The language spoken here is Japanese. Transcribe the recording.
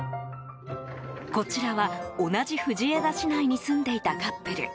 こちらは、同じ藤枝市内に住んでいたカップル。